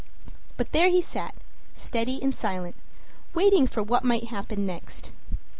But there he sat, steady and silent, waiting for what might happen next.